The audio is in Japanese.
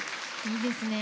いいですね。